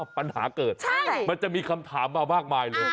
ปัญหาเกิดมันจะมีคำถามมามากมายเลย